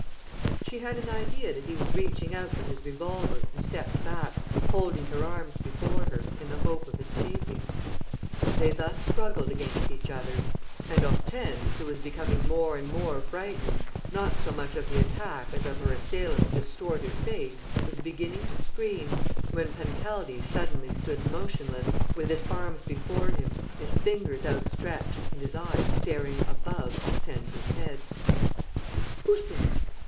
She had an idea that he was reaching out for his revolver and stepped back, holding her arms before her, in the hope of escaping. They thus struggled against each other; and Hortense, who was becoming more and more frightened, not so much of the attack as of her assailant's distorted face, was beginning to scream, when Pancaldi suddenly stood motionless, with his arms before him, his fingers outstretched and his eyes staring above Hortense's head: "Who's there?